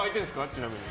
ちなみに。